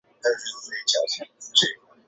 韩国国立民俗博物馆最初建于首尔南山。